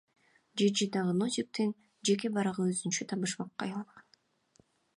ЖЖдагы Носиктин жеке барагы өзүнчө табышмакка айланган.